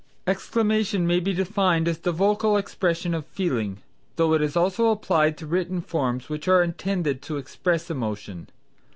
Exclamation may be defined as the vocal expression of feeling, though it is also applied to written forms which are intended to express emotion.